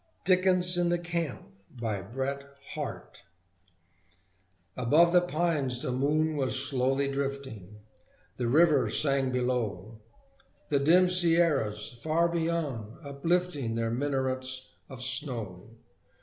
DICKENS IN THE CAMP Above the pines the moon was slowly drifting, The river sang below; The dim Sierras, far beyond, uplifting Their minarets of snow.